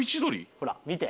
ほら見て。